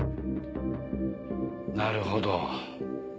なるほど。